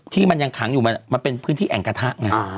ที่มันยังขังอยู่มันเป็นพื้นที่แอ่งกระทะไง